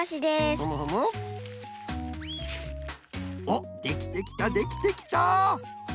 おっできてきたできてきた。